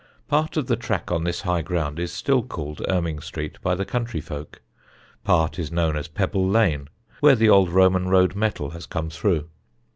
Part of the track on this high ground is still called Erming Street by the country folk; part is known as Pebble Lane, where the old Roman road metal has come through.